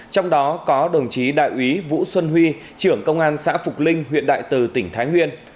trong đó có đồng chí đại úy vũ xuân huy trưởng công an xã phục linh huyện đại từ tỉnh thái nguyên